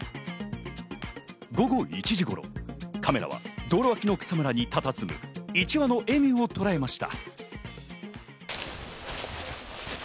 午後１時頃、カメラは道路脇の草むらにたたずむ１羽のエミューをとらえました。